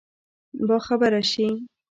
باخبره شي.